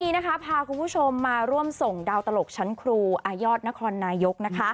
วันนี้นะคะพาคุณผู้ชมมาร่วมส่งดาวตลกชั้นครูอายอดนครนายก